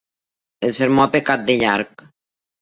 El sermó ha pecat de llarg.